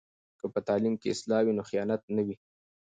که په تعلیم کې اصلاح وي نو خیانت نه وي.